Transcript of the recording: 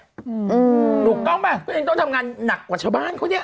ถูกต้องป่ะก็ยังต้องทำงานหนักกว่าชาวบ้านเขาเนี่ย